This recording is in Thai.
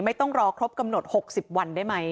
ไม่ต้องรอครบกำหนด๖๐วันได้ไหม